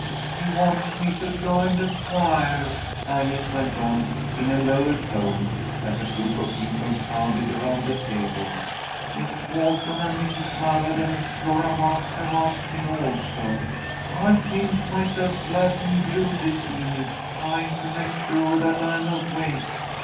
"He wants me to join the choir," Agnes went on, in a lower tone, as a group of people crowded around the table. "Mrs. Walton and Mrs. Mallard and Miss Flora Marks have asked me also. I've pinched myself black and blue this evening, trying to make sure that I am awake.